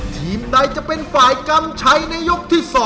ทีมใดจะเป็นฝ่ายกำชัยในยกที่๒